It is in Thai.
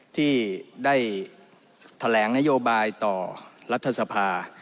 ที่ได้แถลงนโยบายต่อรัฐสภา